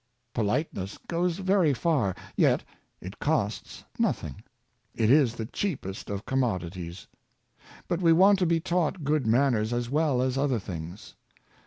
Politeness goes very far, yet it costs nothing; it is the cheapest of commodities. But we want to be taught good manners as well as other things.